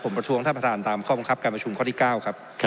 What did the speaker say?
ประท้วงท่านประธานตามข้อบังคับการประชุมข้อที่๙ครับ